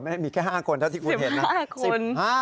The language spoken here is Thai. ไม่มีแค่๕คนเท่าที่คุณเห็นนะ